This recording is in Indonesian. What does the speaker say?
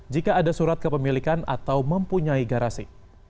jika ada surat kepemilikan atau mempunyai garasi